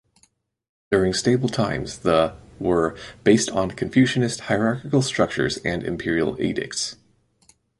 During stable times the were based on Confucianist hierarchical structures and imperial edicts.